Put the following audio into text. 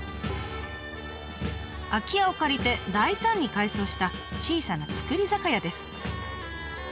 空き家を借りて大胆に改装した小さな造り酒屋です。